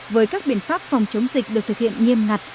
với các biện pháp phòng chống dịch được thực hiện nghiêm ngặt